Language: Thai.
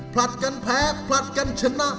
ผลัดกันแพ้ผลัดกันชนะ